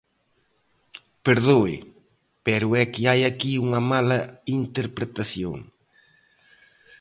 Perdoe, pero é que hai aquí unha mala interpretación.